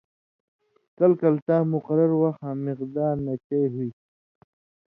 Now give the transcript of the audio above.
کلہۡ کلہۡ تاں مقرر وخ آں مقدار نہ چئ ہُوئ تھی